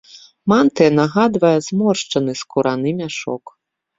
Мантыя нагадвае зморшчыны скураны мяшок.